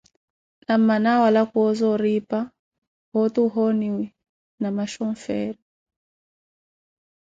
Na mmana awala kuwo zooripa, pooti ohoniwi na maxooferi.